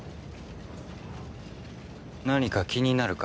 何か気になるか？